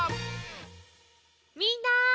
みんな。